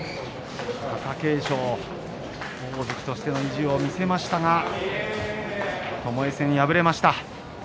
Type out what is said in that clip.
貴景勝大関としての意地を見せましたがともえ戦、敗れました。